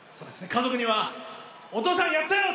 家族には「お父さんやったよ！」。